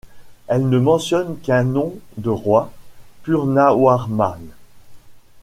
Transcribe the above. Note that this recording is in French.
Elle ne mentionne qu'un nom de roi, Purnawarman.